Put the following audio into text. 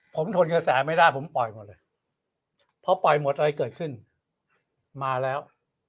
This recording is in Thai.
ผมทนกระแสไม่ได้ผมปล่อยหมดเลยพอปล่อยหมดอะไรเกิดขึ้นมาแล้ว